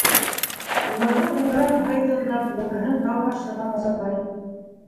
Уларҙан уңдараҡ һайтылдап йылҡыһын тау ашырған Асатай: